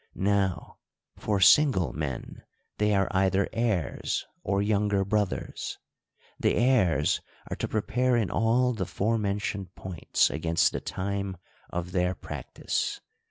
Now, for single men, they are either heirs, or younger brothers. — The heirs are to prepare in all the foremen tioned points against the time of their practice.